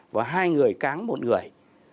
và hai người cáng một người